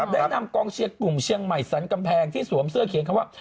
ได้นำกองเชียร์กลุ่มเชียงใหม่สรรกำแพงที่สวมเสื้อเขียนคำว่า